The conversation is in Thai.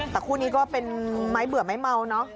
แต่คู่นี้ก็เป็นไม้เบื่อไม้เมาเนอะ